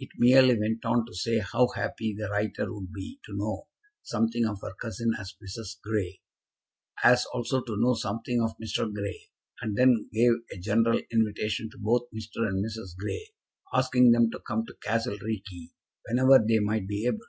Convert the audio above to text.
It merely went on to say how happy the writer would be to know something of her cousin as Mrs. Grey, as also to know something of Mr. Grey, and then gave a general invitation to both Mr. and Mrs. Grey, asking them to come to Castle Reekie whenever they might be able.